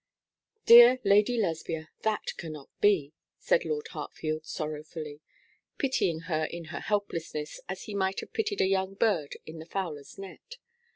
'Dear Lady Lesbia, that cannot be,' said Lord Hartfield, sorrowfully, pitying her in her helplessness, as he might have pitied a young bird in the fowler's net.